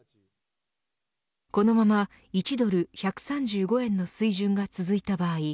このまま１ドル１３５円の水準が続いた場合